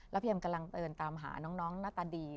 พี่เอ็มกำลังเดินตามหาน้องหน้าตาดี